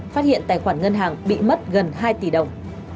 phát hiện tài khoản ngân hàng bị mất gần hai tỷ đồng